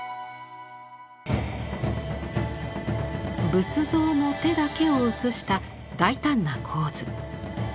仏像の手だけを写した大胆な構図。